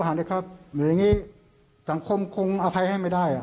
ก็อย่างงี้จังคมคงอภัยได้ไม่ได้